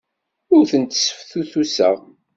Ur tent-sseftutuseɣ.